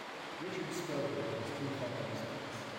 Richard struggled in his two following starts.